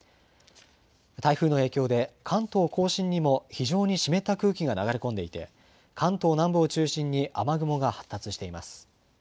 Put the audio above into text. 台風の影響で、関東甲信にも非常に湿った空気が流れ込んでいて、関東南部を中心に雨雲が発達しています。